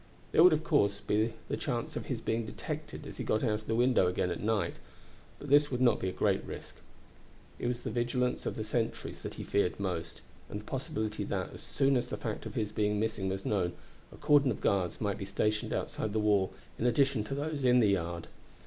There would, of course, be the chance of his being detected as he got out of the window again at night, but this would not be a great risk. It was the vigilance of the sentries that he most feared, and the possibility that, as soon as the fact of his being missing was known, a cordon of guards might be stationed outside the wall in addition to those in the yard.